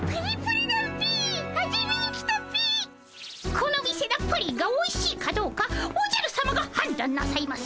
この店のプリンがおいしいかどうかおじゃるさまがはんだんなさいます。